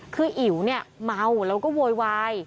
คืออิ๋วเมาแล้วก็โวยวาย